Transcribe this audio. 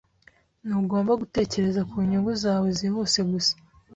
Ntugomba gutekereza ku nyungu zawe zihuse gusa.